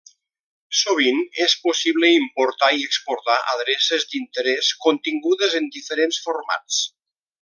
Sovint és possible importar i exportar adreces d'interès contingudes en diferents formats.